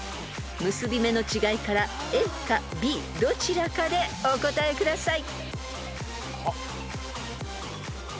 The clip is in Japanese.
［結び目の違いからＡかＢどちらかでお答えください］ＯＫ！